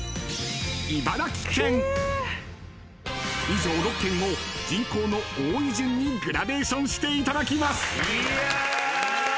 ［以上６県を人口の多い順にグラデーションしていただきます］